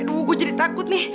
aduh gue jadi takut nih